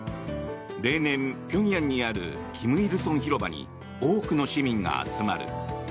例年、平壌にある金日成広場に多くの市民が集まる。